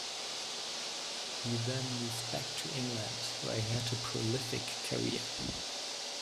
He then moved back to England where he had a prolific career.